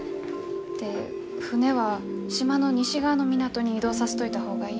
で船は島の西側の港に移動させといた方がいい。